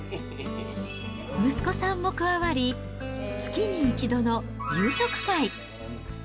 息子さんも加わり、月に一度の夕食会。